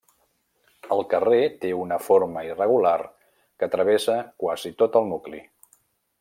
El carrer té una forma irregular que travessa quasi tot el nucli.